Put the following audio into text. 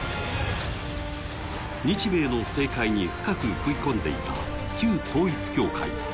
日米の政界に深く食い込んでいた旧統一教会。